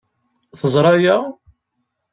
Teẓra aya?